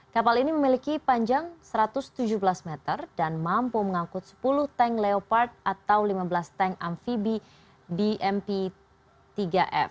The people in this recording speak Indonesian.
kapal ini memiliki panjang satu ratus tujuh belas meter dan mampu mengangkut sepuluh tank leopard atau lima belas tank amfibi dmp tiga f